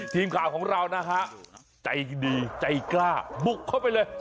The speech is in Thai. ทีมข่าวของเรานะฮะใจดีใจกล้าบุกเข้าไปเลย